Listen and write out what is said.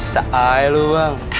sa'ai lu bang